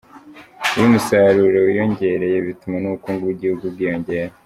Iyo umusaruro wiyongereye bituma n’ubukungu bw’igihugu bwiyongera.